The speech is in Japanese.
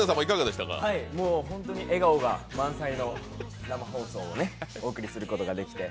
笑顔満載の生放送をお送りすることができて。